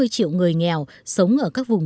bốn mươi triệu người nghèo sống ở các vùng